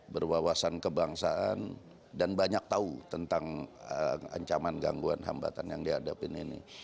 berwawasan kebangsaan dan banyak tahu tentang ancaman gangguan hambatan yang dihadapin ini